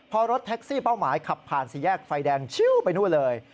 พอรถแท็กซี่เป้าหมายขับผ่านสี่แยกไฟแดงชิวไปนู่นเลย